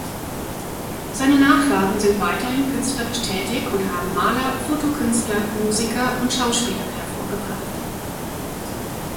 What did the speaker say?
Seine Nachfahren sind weiterhin künstlerisch tätig und haben Maler, Fotokünstler, Musiker und Schauspieler hervorgebracht.